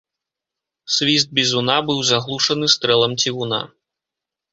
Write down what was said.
Свіст бізуна быў заглушаны стрэлам цівуна.